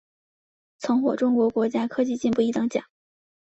曾获中国国家科技进步一等奖。